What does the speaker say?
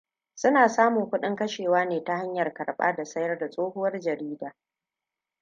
Suna samun kudin kashewa ne ta hanyar karɓa da sayar da tsohuwar jarida.